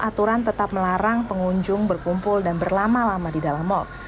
aturan tetap melarang pengunjung berkumpul dan berlama lama di dalam mal